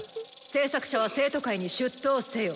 製作者は生徒会に出頭せよ」。